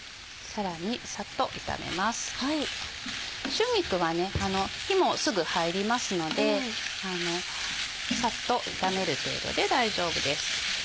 春菊は火もすぐ入りますのでさっと炒める程度で大丈夫です。